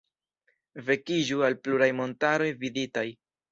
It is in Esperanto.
Vekiĝu al pluraj montaroj viditaj.